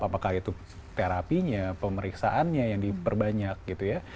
apakah itu terapinya pemeriksaannya yang diperbanyak gitu ya